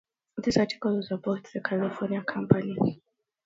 This article is about the California company.